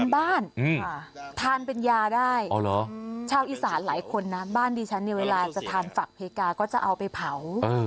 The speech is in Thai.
บ้านดิฉันเวลาจะทานฝักเพกาก็จะเอาไปเผา